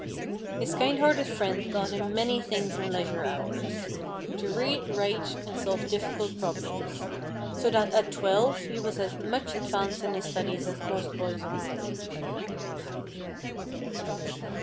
His kind hearted friend taught him many things in leisure hours to read, write, and solve difficult problems so that at twelve, he was as much advanced in his studies as most boys of his age.